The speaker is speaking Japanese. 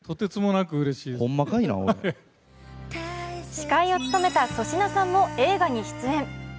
司会を務めた粗品さんも映画に出演。